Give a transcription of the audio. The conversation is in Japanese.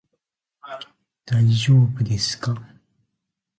大丈夫ですか？